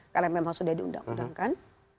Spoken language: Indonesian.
karena memang sudah diundang undangkan